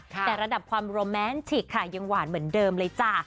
แต่ระดับความโรแมนฉิกค่ะยังหวานเหมือนเดิมเลยจ้ะ